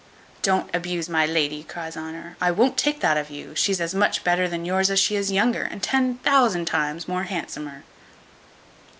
"Don't abuse my lady," cries Honour: "I won't take that of you; she's as much better than yours as she is younger, and ten thousand times more handsomer."